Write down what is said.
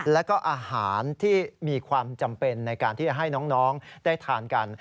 แล้วก็อาหารที่มีความจำเป็นในการที่จะให้น้องได้ทานกัน